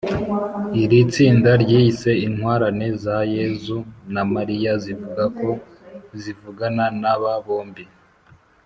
Iri tsinda ryiyise Intwarane za Yezu na Maria zivuga ko zivugana n’aba bombi